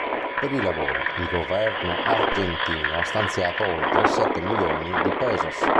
Per i lavori il governo argentino ha stanziato oltre sette milioni di pesos.